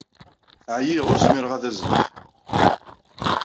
Ɛyiɣ, ur zmireɣ ad azzleɣ.